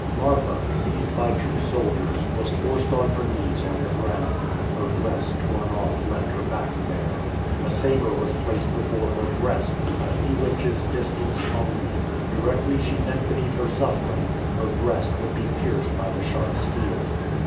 Marfa, seized by two soldiers, was forced on her knees on the ground. Her dress torn off left her back bare. A saber was placed before her breast, at a few inches' distance only. Directly she bent beneath her suffering, her breast would be pierced by the sharp steel.